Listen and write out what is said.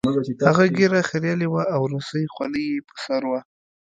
هغه ږیره خریلې وه او روسۍ خولۍ یې په سر وه